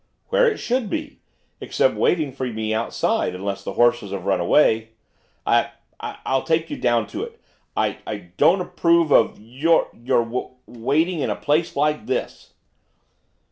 'Where should it be, except waiting for me outside, unless the horses have run away.' 'I I I'll take you down to it. I I don't approve of y your w w waiting in a place like this.